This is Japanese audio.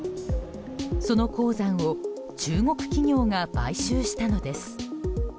その鉱山を中国企業が買収したのです。